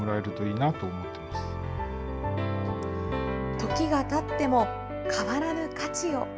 時がたっても、変わらぬ価値を。